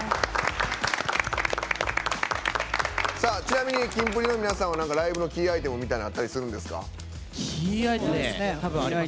ちなみにキンプリの皆さんはなんかライブのキーアイテムみたいなのはあったりするんですか？